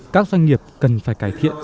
các doanh nghiệp cần phải cải thiện